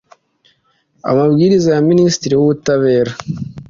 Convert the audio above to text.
amabwiriza ya minisitiri wubutabera